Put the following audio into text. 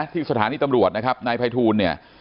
ที่สถานีตำรวจนายผัยทูล